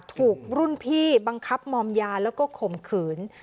ถูกรุ่นพี่บังคับมอมยาแล้วก็ข่มขืน